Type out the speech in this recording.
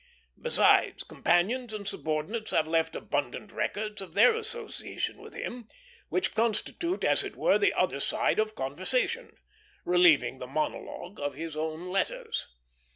Besides, companions and subordinates have left abundant records of their association with him, which constitute, as it were, the other side of conversation; relieving the monologue of his own letters.